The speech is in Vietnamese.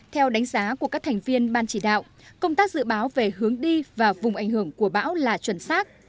theo đánh giá của các thành viên ban chỉ đạo công tác dự báo về hướng đi và vùng ảnh hưởng của bão là chuẩn xác